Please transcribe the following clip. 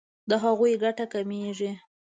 د هغوی ګټه کمیږي.